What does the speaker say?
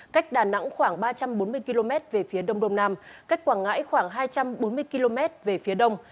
cách đà nẵng khoảng ba trăm bốn mươi km về phía đông đông nam cách quảng ngãi khoảng hai trăm bốn mươi km về phía đông